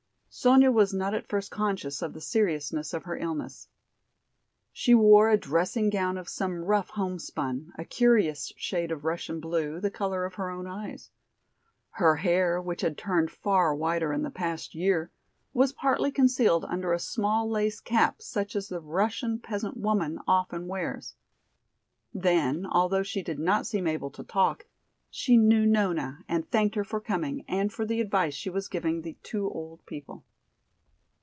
Sonya was not at first conscious of the seriousness of her illness. She wore a dressing gown of some rough homespun, a curious shade of Russian blue, the color of her own eyes. Her hair, which had turned far whiter in the past year, was partly concealed under a small lace cap such as the Russian peasant woman often wears. Then, although she did not seem able to talk, she knew Nona and thanked her for coming and for the advice she was giving the two old people.